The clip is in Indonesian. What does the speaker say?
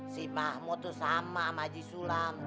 cing mahmud tuh sama sama haji sulam